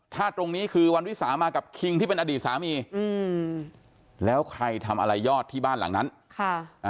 ถ้าตรงนี้คือวันวิสามากับคิงที่เป็นอดีตสามีอืมแล้วใครทำอะไรยอดที่บ้านหลังนั้นค่ะอ่า